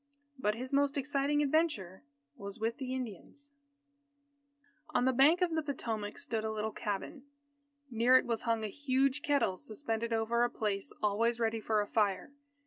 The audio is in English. But his most exciting adventure was with Indians. On the bank of the Potomac stood a little cabin. Near it was hung a huge kettle suspended over a place always ready for a fire.